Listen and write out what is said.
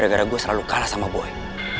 lo kalau kamu bisa berterima kasih